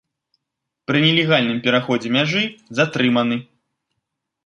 Пры нелегальным пераходзе мяжы затрыманы.